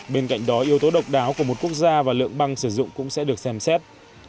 bên cạnh đó yếu tố độc đáo của một quốc gia và lượng băng sử dụng cũng sẽ được xem xét